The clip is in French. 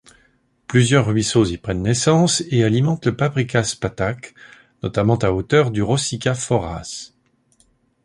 Plusieurs ruisseaux y prennent naissance et alimentent le Paprikás-patak, notamment à hauteur du Rózsika-forrás.